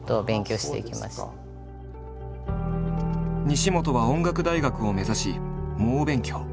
西本は音楽大学を目指し猛勉強。